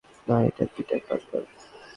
না, এটা Peter Parker.